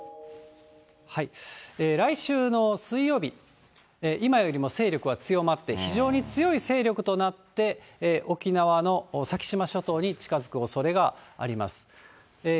来週の水曜日、今よりも勢力は強まって、非常に強い勢力となって、沖縄の先島諸島に近づくおそれがあります。